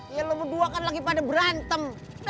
iya lo berdua kan lagi pada berantem